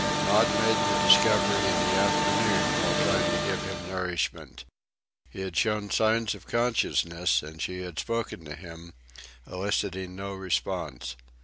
Maud made the discovery in the afternoon while trying to give him nourishment. He had shown signs of consciousness, and she had spoken to him, eliciting no response.